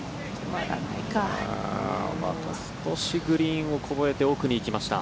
また少しグリーンをこぼれて奥に行きました。